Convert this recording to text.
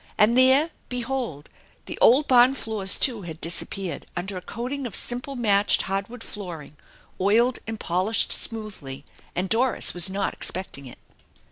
And there, behold, the old barn floors too had disappeared under a coating of simple matched hardwood flooring, oiled and polished smoothly, and Doris was not expecting it.